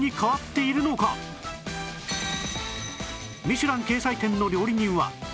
『ミシュラン』掲載店の料理人は